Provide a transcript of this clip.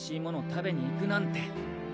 食べに行くなんて。